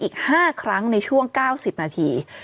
อีก๕ครั้งในช่วง๙๐นาที